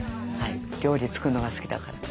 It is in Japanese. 料理作るのが好きだから。